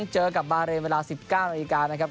เจอกับบาเรนเวลา๑๙นาฬิกานะครับ